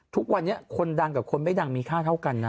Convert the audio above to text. ทุกวันนี้คนดังกับคนไม่ดังมีค่าเท่ากันนะ